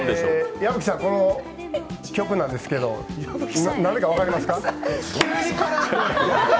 矢吹さん、この曲なんですけど、何か分かりますか？